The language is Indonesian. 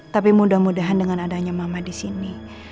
tapi mudah mudahan dengan adanya mama di sini